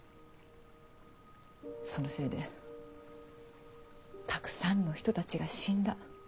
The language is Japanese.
そのせいでたくさんの人たちが死んだ。